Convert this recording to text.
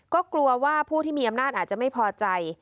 ก็กลัวว่าผู้ที่มีอำนาจอาจจะไม่พอใจ